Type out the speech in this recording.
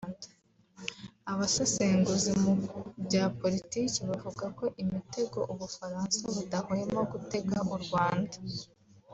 Abasesenguzi mu bya politiki bavuga ko imitego u Bufaransa budahwema gutega u Rwanda